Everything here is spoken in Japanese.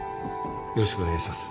よろしくお願いします